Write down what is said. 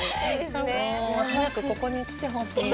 早くここに来てほしい。